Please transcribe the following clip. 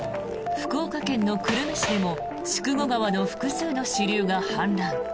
福岡県の久留米市でも筑後川の複数の支流が氾濫。